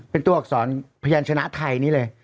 เป็นตัวอักษรพยานชนะไทยนี่เลย